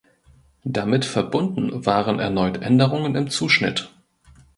Damit verbunden waren erneut Änderungen im Zuschnitt.